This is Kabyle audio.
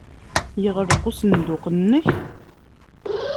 Yeɣleq usenduq-nnek?